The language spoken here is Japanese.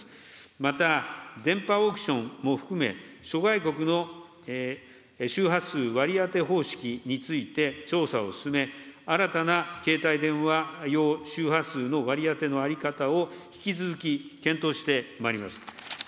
また、電波オークションを含め、諸外国の周波数割り当て方式について調査を進め、新たな携帯電話用周波数の割り当ての在り方を引き続き検討してまいります。